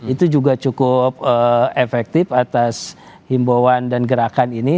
itu juga cukup efektif atas himbauan dan gerakan ini